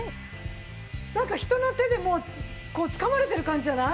なんか人の手でこうつかまれてる感じじゃない？